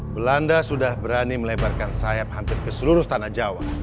belanda sudah berani melebarkan sayap hampir ke seluruh tanah jawa